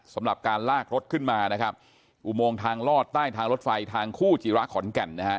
สำหรับการลากรถขึ้นมานะครับอุโมงทางลอดใต้ทางรถไฟทางคู่จิระขอนแก่นนะฮะ